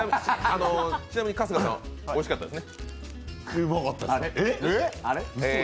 ちなみに春日さんはおいしかったですね？